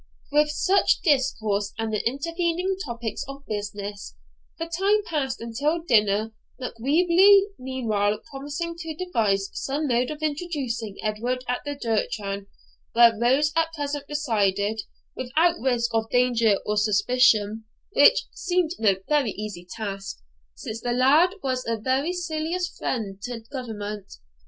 With such discourse, and the intervening topics of business, the time passed until dinner, Macwheeble meanwhile promising to devise some mode of introducing Edward at the Duchran, where Rose at present resided, without risk of danger or suspicion; which seemed no very easy task, since the laird was a very zealous friend to government.